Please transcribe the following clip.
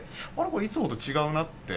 これ、いつもと違うなって。